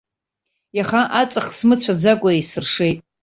Иаха аҵых смыцәаӡакәа исыршеит.